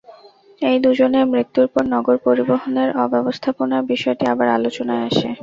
এই দুজনের মৃত্যুর পর নগর পরিবহনের অব্যবস্থাপনার বিষয়টি আবার আলোচনায় আসে।